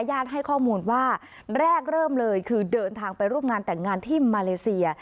ให้ข้อมูลว่าแรกเริ่มเลยคือเดินทางไปร่วมงานแต่งงานที่มาเลเซีย